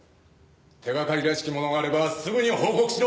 手掛かりらしきものがあればすぐに報告しろ！